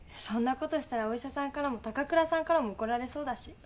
そんなことしたらお医者さんからも高倉さんからも怒られそうだし。